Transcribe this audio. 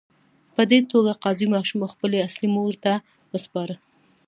په دې توګه قاضي ماشوم خپلې اصلي مور ته وسپاره.